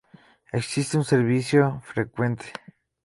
Existe un servicio frecuente.